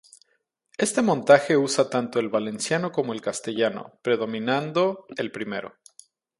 Este montaje usa tanto el valenciano como el castellano, predominando el primero.